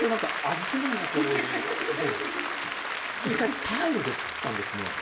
一回タイルで作ったんですね。